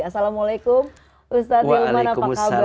assalamualaikum ustadz hilman apa kabar